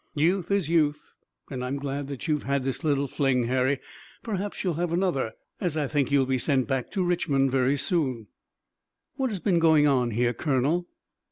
"Youth is youth, and I'm glad that you've had this little fling, Harry. Perhaps you'll have another, as I think you'll be sent back to Richmond very soon." "What has been going on here, Colonel?"